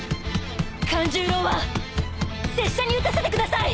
カン十郎は拙者に討たせてください！